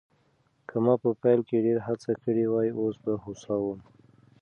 که ما په پیل کې ډېره هڅه کړې وای، اوس به هوسا وم.